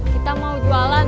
kita mau jualan